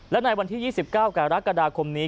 และในวันที่๒๙กรกฎาคมนี้